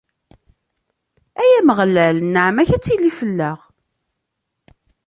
Ay Ameɣlal, nneɛma-k ad tili fell-aɣ.